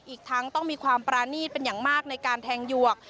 อีกทั้งต้องมีความปรานีตเป็นอย่างมากในการแทงหยวก